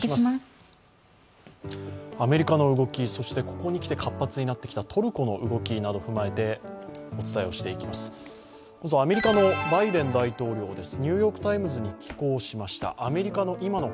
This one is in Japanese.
アメリカの動き、そしてここにきて活発になってきたトルコの動きなど踏まえてお伝えをしていきます。